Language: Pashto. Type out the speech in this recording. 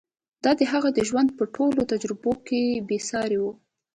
دا د هغه د ژوند په ټولو تجربو کې بې سارې وه.